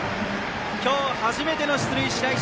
今日初めての出塁、白石。